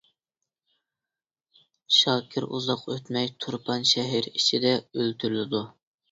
شاكىر ئۇزاق ئۆتمەي تۇرپان شەھىرى ئىچىدە ئۆلتۈرۈلىدۇ.